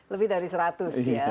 desain industri dan lain sebagainya